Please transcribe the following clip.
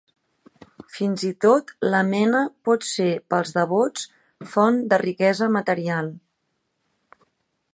Fins i tot l'amena pot ser per als devots font de riquesa material.